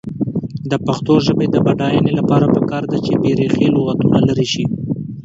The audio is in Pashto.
د پښتو ژبې د بډاینې لپاره پکار ده چې بېریښې لغتونه لرې شي.